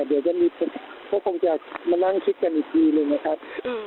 เดี๋ยวพวกเขาคงจะมานั่งคิดกันอีกทีเลยนะครับ